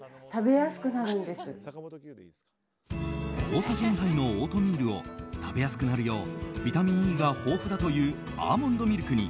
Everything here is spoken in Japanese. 大さじ２杯のオートミールを食べやすくなるようビタミンＥが豊富だというアーモンドミルクに